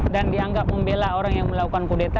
dan dianggap membela orang yang melakukan kudeta